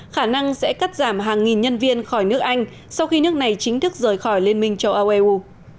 khả năng sẽ cắt giảm hàng nghìn nhân viên khỏi nước anh sau khi nước này chính thức rời khỏi liên minh châu âu eu